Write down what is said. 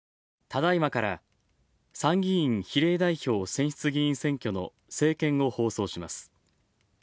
ただいまから参議院比例代表選出議員選挙の政見を放送します。